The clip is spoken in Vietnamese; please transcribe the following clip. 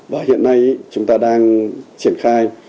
và hiện nay chúng ta đang triển khai